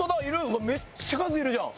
うわっめっちゃ数いるじゃん。